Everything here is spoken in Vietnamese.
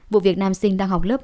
vụ việc nam sinh đang học học